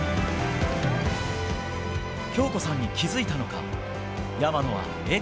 京子さんに気付いたのか、山野は笑顔。